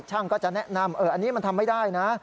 ก็จะแนะนำอันนี้มันทำไม่ได้นะ